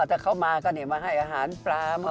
ถ้าเข้ามาก็ให้อาหารปลา